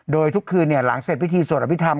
โดยทุกคืนหลังเสร็จพิธีสวดอภิษฐรร